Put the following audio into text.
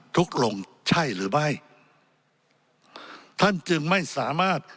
ทุกข์ลงใช่หรือไม่ท่านจึงไม่สามารถ